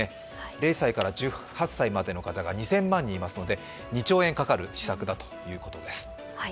０歳から１８歳までの方が２０００万人いますので、２兆円かかる施策だということです。